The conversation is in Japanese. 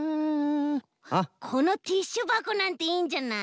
このティッシュばこなんていいんじゃない？